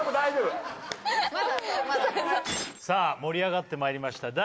さあ盛り上がってまいりました